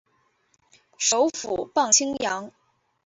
首府磅清扬。